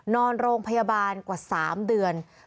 นอนโรงพยาบาลกว่า๓เดือน